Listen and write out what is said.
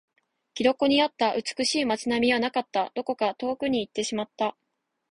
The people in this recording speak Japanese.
記録にあった美しい街並みはなかった。どこか遠くに行ってしまった。